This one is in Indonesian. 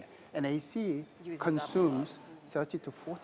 dan ac mengkonsumsi